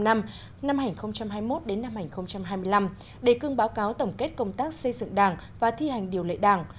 năm hành hai mươi một đến năm hành hai mươi năm đề cương báo cáo tổng kết công tác xây dựng đảng và thi hành điều lệ đảng